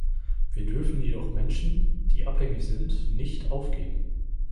Wir dürfen jedoch Menschen, die abhängig sind, nicht aufgeben.